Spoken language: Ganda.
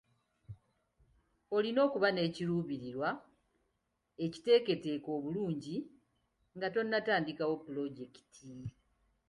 Olina okuba n'ekiruubirirwa ekiteeketeeke obulungi nga tonnatandikawo pulojekiti.